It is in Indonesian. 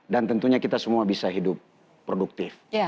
dan tentunya kita semua bisa hidup produktif